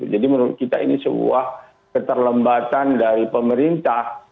jadi menurut kita ini sebuah keterlembatan dari pemerintah